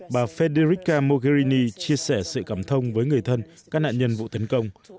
bà federica mogherini chia sẻ sự cảm thông với người thân các nạn nhân vụ tấn công